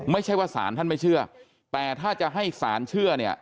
ไม่ใช่ว่าสารท่านไม่เชื่อแต่ถ้าจะให้สารเชื่อเนี่ย